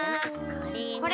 これ。